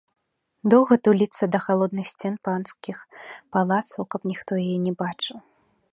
Доўга туліцца да халодных сцен панскіх палацаў, каб ніхто яе не бачыў.